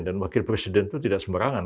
dan wakil presiden itu tidak sembarangan